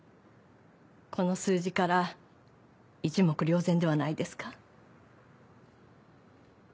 この数字から一目瞭然ではないですか？